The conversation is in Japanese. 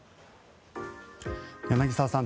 柳澤さん